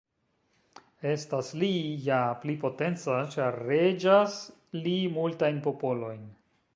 Estas li ja pli potenca, ĉar reĝas li multajn popolojn.